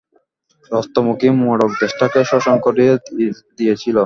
রক্তমুখী মড়ক দেশটাকে শ্মশান করে দিয়েছিল।